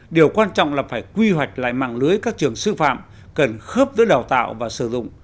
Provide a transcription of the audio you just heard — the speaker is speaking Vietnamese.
điều quan trọng là phải quy hoạch lại mạng lưới các trường sư phạm cần khớp giữa đào tạo và sử dụng